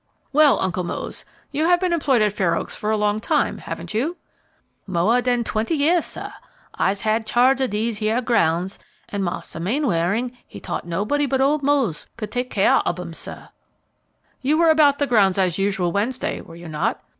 "Well, Uncle Mose, you have been employed at Fair Oaks for a long time, haven't you?" "Moah dan twenty yeahs, sah, I'se had charge ob dese y'er grounds; an' mars'r Mainwaring, he t'ought nobody but ole Mose cud take cyah ob 'em, sah." "You were about the grounds as usual Wednesday, were you not?"